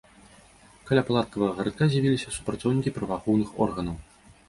Каля палаткавага гарадка з'явіліся супрацоўнікі праваахоўных органаў.